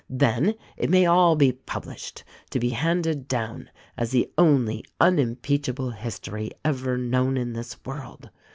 Then it may all be published, to be handed down as the only unimpeachable history ever known in this world.